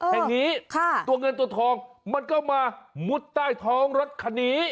อย่างนี้ตัวเงินตัวทองมันก็มามุดใต้ท้องรถคันนี้